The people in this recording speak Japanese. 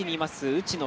内野